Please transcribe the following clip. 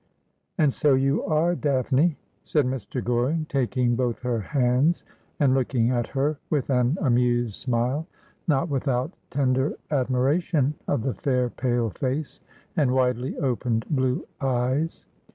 ' And so you are Daphne ?' said Mr. Goring, taking both her hands, and looking at her with an amused smile, not without tender admiration of the fair pale face and widely opened blue eyes.